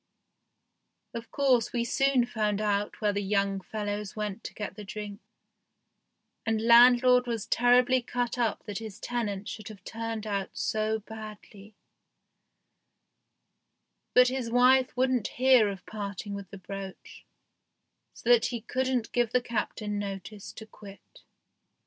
Of course we soon found out where the young fellows went to get the drink, and landlord was terribly cut up that his tenant should have turned out so badly, but his wife wouldn't hear of parting with the brooch, so that he couldn't give the Captain notice to quit.